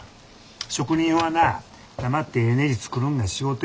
職人はな黙ってええねじ作るんが仕事や。